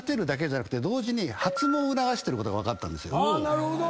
なるほど！